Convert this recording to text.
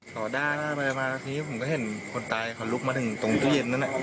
ต่อหน้าไปมาทีนี้ผมก็เห็นคนตายเขาลุกมาถึงตรงตู้เย็นนั้น